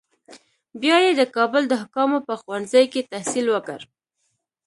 بیا یې د کابل د حکامو په ښوونځي کې تحصیل وکړ.